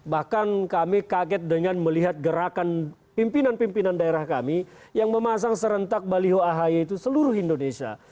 bahkan kami kaget dengan melihat gerakan pimpinan pimpinan daerah kami yang memasang serentak baliho ahy itu seluruh indonesia